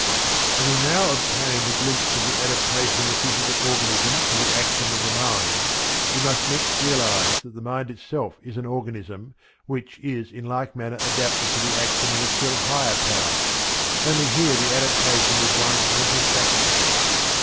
Having now obtained a glimpse of the adaptation of the physical organism to the action of the mind we must next realize that the mind itself is an organism which is in like manner adapted to the action of a still higher power, only here the adaptation is one of mental faculty.